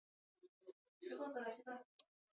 Lan berria, ziurrenik, urte amaierarako iritsiko zaigu.